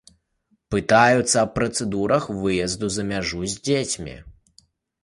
Пытаюцца аб працэдурах выезду за мяжу з дзецьмі.